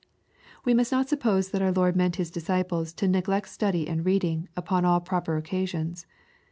We must not suppose that our Lord meant His disciples to neg lect study and reading, upon all proper occasions.